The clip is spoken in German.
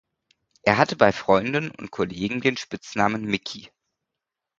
Er hatte bei Freunden und Kollegen den Spitznamen Mickey.